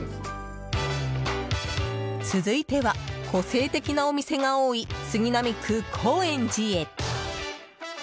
続いては個性的なお店が多い杉並区高円寺へ。